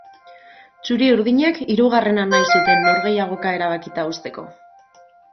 Txuri-urdinek hirugarrena nahi zuten norgehiagoka erabakita uzteko.